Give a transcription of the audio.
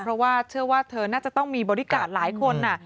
เพราะว่าเชื่อว่าเธอน่าจะต้องมีบริการหลายคน